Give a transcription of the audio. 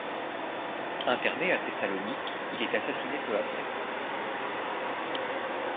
Interné à Thessalonique, il est assassiné peu après.